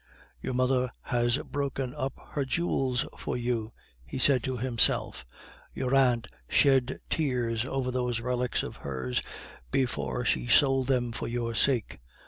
"Your mother has broken up her jewels for you," he said to himself; "your aunt shed tears over those relics of hers before she sold them for your sake.